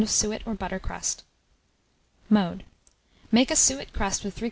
of suet or butter crust. Mode. Make a suet crust with 3/4 lb.